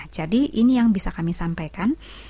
jadi ini yang bisa kami sampaikan